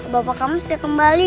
bapak kamu sudah kembali